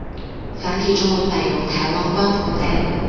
繁体中文版由台湾光谱代理。